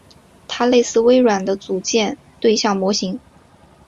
它类似微软的组件对象模型。